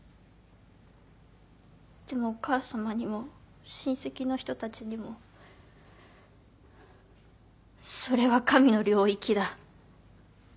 でもお母さまにも親戚の人たちにも「それは神の領域だ」